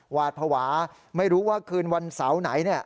หวาดภาวะไม่รู้ว่าคืนวันเสาร์ไหน